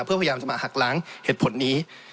เพื่อพยายามจะมาหักล้างเหตุผลนี้